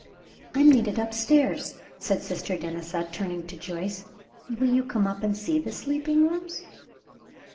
"I am needed up stairs," said Sister Denisa, turning to Joyce. "Will you come up and see the sleeping rooms?"